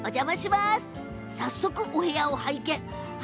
早速、お部屋を拝見。